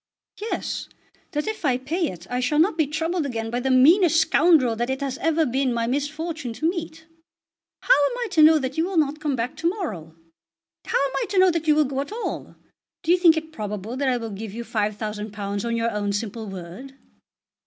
"Yes; that if I pay it I shall not be troubled again by the meanest scoundrel that it has ever been my misfortune to meet. How am I to know that you will not come back to morrow? How am I to know that you will go at all? Do you think it probable that I will give you £5000 on your own simple word?"